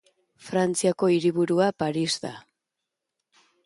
Frantziako hiriburua Paris da.